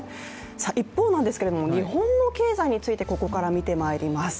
一方、日本の経済についてここから見てまいります。